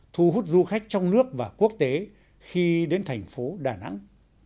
thu hút du khách trong nước và quốc tế khi đến thành phố đà nẵng